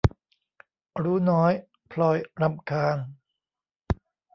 รู้น้อยพลอยรำคาญ